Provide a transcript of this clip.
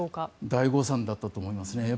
大誤算だったと思いますね。